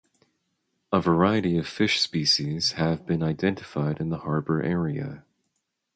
A variety of fish species have been identified in the harbor area.